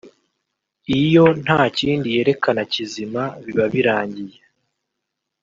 iyo nta kindi yerekana kizima biba birangiye